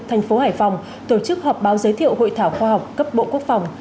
tp hải phòng tổ chức họp báo giới thiệu hội thảo khoa học cấp bộ quốc phòng